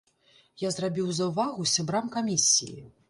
Я зрабіў заўвагу сябрам камісіі.